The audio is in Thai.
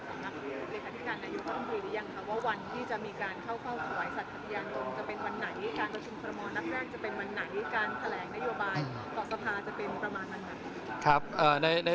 การกระทุ่มภารมอเนื้อแรกจะเป็นวันไหนการแถลงนโยบายต่อสะพาจะเป็นประมาณนั้นไหม